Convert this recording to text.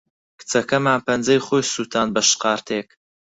کچەکەمان پەنجەی خۆی سووتاند بە شقارتەیەک.